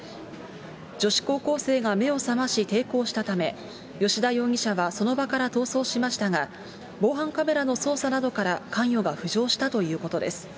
女子高校生が目を覚まし、抵抗したため、吉田容疑者はその場から逃走しましたが、防犯カメラの捜査などから関与が浮上したということです。